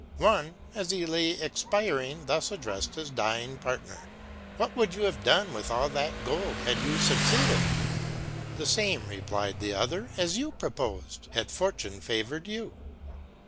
One, as he lay expiring, thus addrefled his dying partner : what would you have done with all that gold had you fucceeded ? The fame, replied the other, as you propofcd, had fortune favoured you.